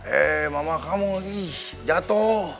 eh mama kamu jatuh